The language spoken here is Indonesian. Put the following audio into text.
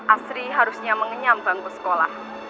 asri harusnya mengenyam bangku sekolah